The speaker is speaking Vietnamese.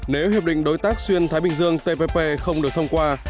nếu hiệp định đối tác xuyên thái bình dương tpp không được thông qua